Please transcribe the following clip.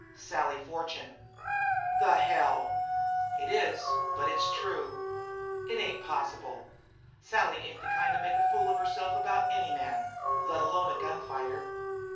"Sally Fortune." "The hell!" "It is; but it's true." "It ain't possible. Sally ain't the kind to make a fool of herself about any man, let alone a gun fighter."